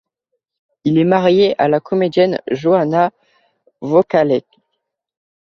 Il est marié à la comédienne Johanna Wokalek.